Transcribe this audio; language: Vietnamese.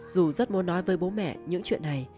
dù rất muốn nói với bố mẹ những chuyện này